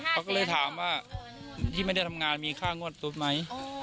เขาก็เลยถามว่าที่ไม่ได้ทำงานมีค่างวดซุดไหม